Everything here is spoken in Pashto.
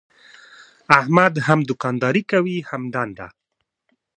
احمد هم دوکانداري کوي هم دنده.